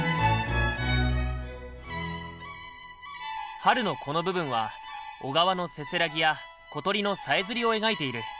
「春」のこの部分は小川のせせらぎや小鳥のさえずりを描いている。